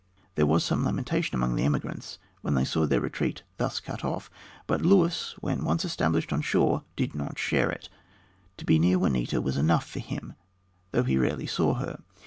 There was some lamentation among the emigrants when they saw their retreat thus cut off, but Luis when once established on shore did not share it; to be near Juanita was enough for him, though he rarely saw her.